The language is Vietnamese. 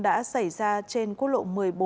đã xảy ra trên quốc lộ một mươi bốn